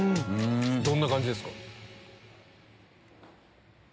どんな感じですか？